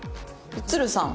鶴さん。